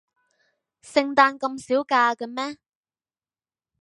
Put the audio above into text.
聖誕咁少假嘅咩？